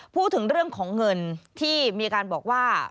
พูดถึงเรื่องของเงินที่มีการบอกว่า